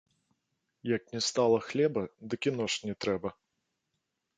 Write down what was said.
Як не стала хлеба, дык і нож не трэба